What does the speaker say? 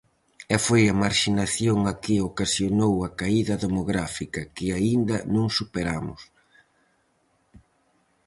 E foi a marxinación a que ocasionou a caída demográfica, que aínda non superamos.